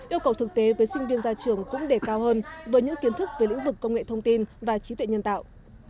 yêu cầu thực tế với sinh viên ra trường cũng đề cao hơn với những kiến thức về lĩnh vực công nghệ thông tin và trí tuệ nhân tạo